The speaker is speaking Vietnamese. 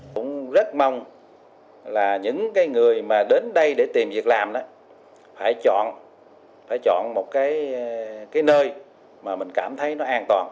chúng tôi mong là những người mà đến đây để tìm việc làm đó phải chọn một cái nơi mà mình cảm thấy nó an toàn